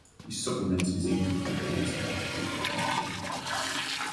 He supplemented his income from painting with teaching.